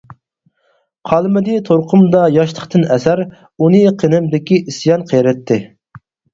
قالمىدى تۇرقۇمدا ياشلىقتىن ئەسەر، ئۇنى قېنىمدىكى ئىسيان قېرىتتى.